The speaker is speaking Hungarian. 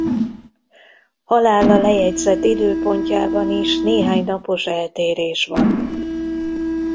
Halála lejegyzett időpontjában is néhány napos eltérés van.